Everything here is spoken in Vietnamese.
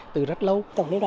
từ rất lâu